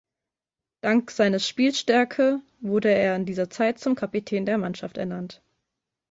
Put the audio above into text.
Dank seines Spielstärke wurde er in dieser Zeit zum Kapitän der Mannschaft ernannt.